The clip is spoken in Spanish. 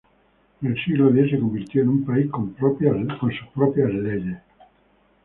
En el siglo X se convirtió en un país con sus propias leyes.